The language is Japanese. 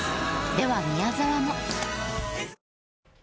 では宮沢も。